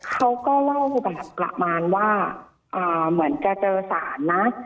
เขาก็เล่าแบบประมาณว่าเหมือนจะเจอสารนะ